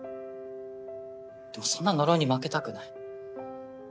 でもそんな呪いに負けたくない。